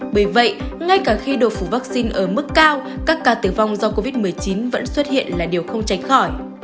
bởi vậy ngay cả khi độ phủ vaccine ở mức cao các ca tử vong do covid một mươi chín vẫn xuất hiện là điều không tránh khỏi